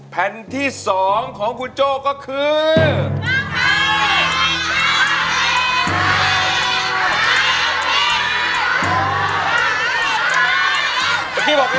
แผ่นที่๒ของคุณโจ้ก็คือ